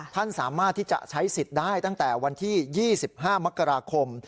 ท่านสามารถที่จะใช้สิทธิ์ได้ตั้งแต่วันที่๒๕มกราคม